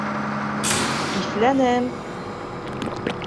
Иҫләнем.